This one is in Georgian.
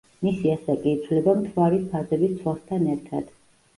მისი ასაკი იცვლება მთვარის ფაზების ცვლასთან ერთად.